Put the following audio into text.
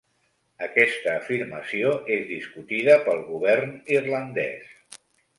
Aquesta afirmació és discutida pel govern irlandès.